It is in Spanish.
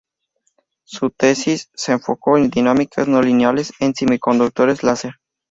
Su tesis se enfocó en dinámicas no lineales en semiconductores láser.